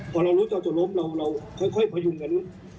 พอนรู้จะตกล้มเราค่อยพยุ่งกัน